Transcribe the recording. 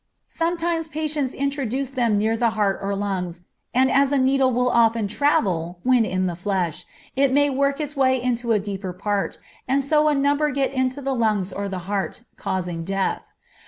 Sometimes patients introduce them near the heart or lungs, and as a needle will often "travel" when in the flesh, it may work its way into a deeper part, and so a number get into the lungs or the heart, causing death.